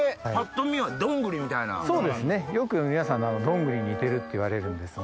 よく皆さんにドングリに似てるって言われるんですが。